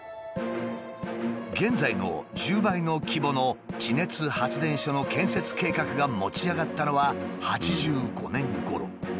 現在の１０倍の規模の地熱発電所の建設計画が持ち上がったのは８５年ごろ。